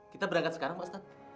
kita berangkat sekarang pak ustadz